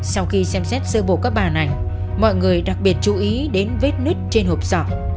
sau khi xem xét sơ bộ các bản ảnh mọi người đặc biệt chú ý đến vết nứt trên hộp sỏ